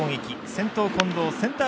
先頭、近藤センター